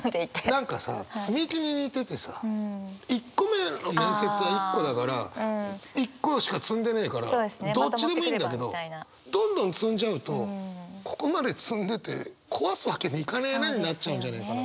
何か積み木に似ててさ一個目の面接は一個だから一個しか積んでねえからどっちでもいいんだけどどんどん積んじゃうとここまで積んでて壊すわけにいかねえなになっちゃうんじゃないかな。